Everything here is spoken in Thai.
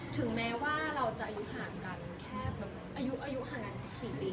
ถึงแม้ว่าเราจะอายุห่างกันแค่แบบอายุห่างกัน๑๔ปี